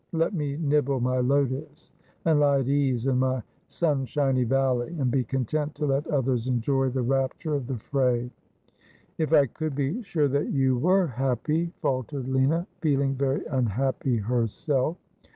Let me nibble my lotus, and lie at ease in my sunshiny valley, and be content to let others enjoy the rapture of the fray.' ' If I could be sure that you were happy,' faltered Lina, feeling very unhappy herself.